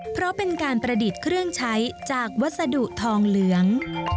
เพราะเป็นการประดิษฐ์เครื่องใช้จากวัสดุทองเหลือง